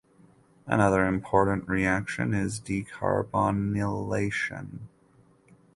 Another important reaction is decarbonylation.